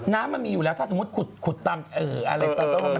น้ำมันมีอยู่แล้วถ้าสมมุติขุดตามอะไรต่าง